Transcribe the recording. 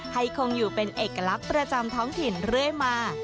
คงอยู่เป็นเอกลักษณ์ประจำท้องถิ่นเรื่อยมา